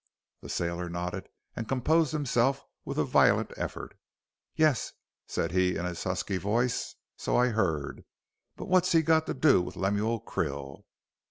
The sailor nodded and composed himself with a violent effort. "Yes," said he in his husky voice, "so I heard. But what's he got to do with Lemuel Krill?"